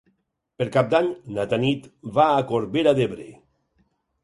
Per Cap d'Any na Tanit va a Corbera d'Ebre.